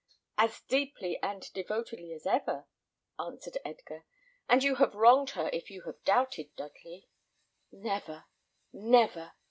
"As deeply and devotedly as ever," answered Edgar; "and you have wronged her if you have doubted, Dudley." "Never, never!"